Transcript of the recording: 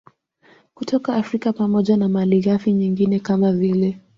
kutoka Afrika pamoja na malighafi nyingine kama vile